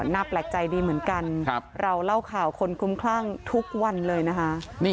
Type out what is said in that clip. น่าแปลกใจดีเหมือนกันเราเล่าข่าวคนคลุ้มคลั่งทุกวันเลยนะคะ